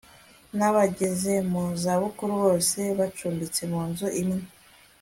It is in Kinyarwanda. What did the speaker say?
n abageze mu za bukuru bose bacumbitse mu nzu imwe